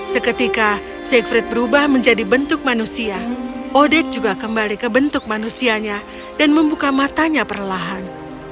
seketika saifried berubah menjadi bentuk manusia odette juga kembali ke bentuk manusianya dan membuka matanya perlahan